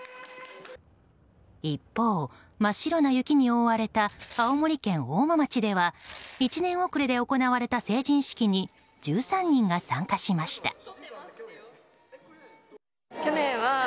一方、真っ白な雪に覆われた青森県大間町では１年遅れで行われた成人式に１３人が参加しました。